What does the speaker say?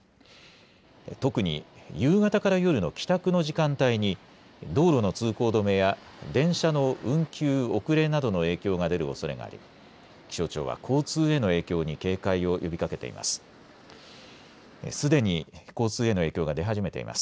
特に夕方から夜の帰宅の時間帯に道路の通行止めや電車の運休、遅れなどの影響が出るおそれがあり気象庁は交通への影響に警戒を呼びかけています。